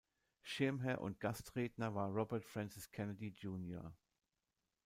Schirmherr und Gastredner war Robert Francis Kennedy junior.